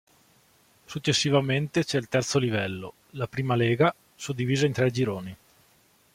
Successivamente c'è il terzo livello, la Prima Lega, suddivisa in tre gironi.